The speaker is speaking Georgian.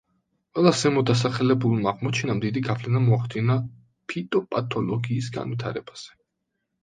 ყველა ზემოთ დასახელებულმა აღმოჩენამ დიდი გავლენა მოახდინა ფიტოპათოლოგიის განვითარებაზე.